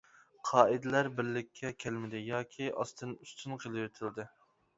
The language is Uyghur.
قائىدىلەر بىرلىككە كەلمىدى ياكى ئاستىن-ئۈستۈن قىلىۋېتىلدى.